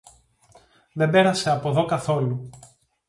Δεν πέρασε από δω καθόλου.